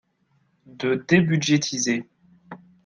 De débudgétiser.